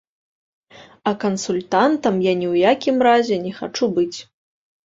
А кансультантам я ні ў якім разе не хачу быць.